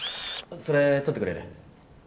それ取ってくれる？